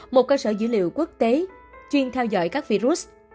một cơ sở dữ liệu quốc tế chuyên theo dõi các virus